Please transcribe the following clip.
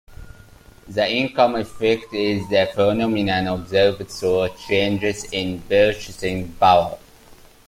The income effect is the phenomenon observed through changes in purchasing power.